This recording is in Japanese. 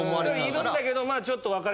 いるんだけどちょっと。